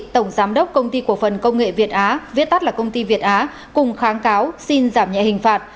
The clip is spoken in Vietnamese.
tổng giám đốc công ty cổ phần công nghệ việt á viết tắt là công ty việt á cùng kháng cáo xin giảm nhẹ hình phạt